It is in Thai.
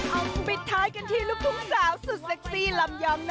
เอาผัวไปเถินเอาผัวไปเถินเอาผัวไปเถินเอาผัวไปเถินเอาผัวไปเถินเอาผัวไปเถิน